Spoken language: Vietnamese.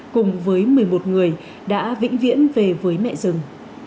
cùng với một mươi một người đã vĩnh viễn về với mẹ rừng